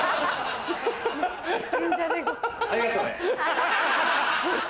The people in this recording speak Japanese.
ありがとね。